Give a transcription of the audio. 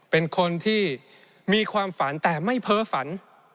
เป็นคนที่มีความฝันแต่ไม่เพ้อฝัน